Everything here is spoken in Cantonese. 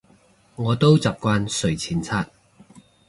我都習慣睡前刷